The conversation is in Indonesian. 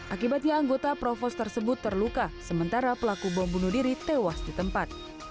akibatnya anggota provos tersebut terluka sementara pelaku bom bunuh diri tewas di tempat